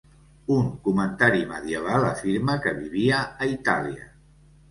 Un comentari medieval afirma que vivia a Itàlia.